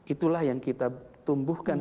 itulah yang kita tumbuhkan